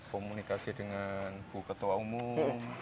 komunikasi dengan bu ketua umum